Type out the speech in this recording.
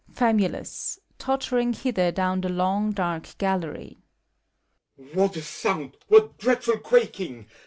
FAMULUS (tottering hither down the long, dark gallery). What a sound I What dreadful quaMng!